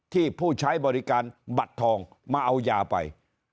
ผู้ใช้บริการบัตรทองมาเอายาไป